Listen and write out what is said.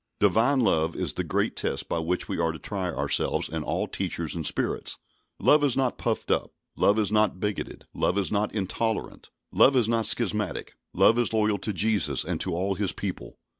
Divine love is the great test by which we are to try ourselves and all teachers and spirits. Love is not puffed up. Love is not bigoted. Love is not intolerant. Love is not schismatic. Love is loyal to Jesus and to all His people.